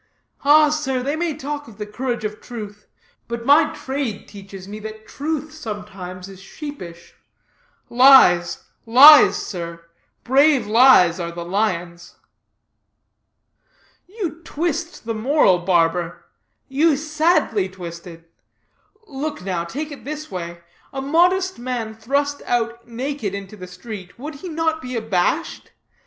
Ah, sir, they may talk of the courage of truth, but my trade teaches me that truth sometimes is sheepish. Lies, lies, sir, brave lies are the lions!" "You twist the moral, barber; you sadly twist it. Look, now; take it this way: A modest man thrust out naked into the street, would he not be abashed?